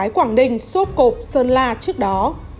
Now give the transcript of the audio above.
móng cái quảng đình xô cộp sơn la trước đó